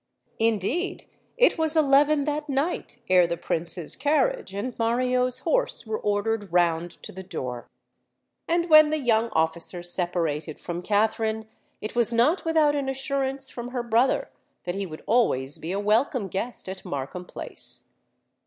Indeed, it was eleven that night ere the Prince's carriage and Mario's horse were ordered round to the door. And when the young officer separated from Katharine, it was not without an assurance from her brother that he would always be a welcome guest at Markham Place.